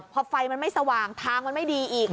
พอไฟมันไม่สว่างทางมันไม่ดีอีก